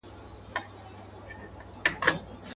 پر لویانو کشرانو باندي گران وو.